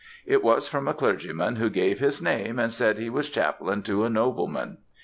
It was from a clergyman who gave his name, and said he was chaplain to a nobleman.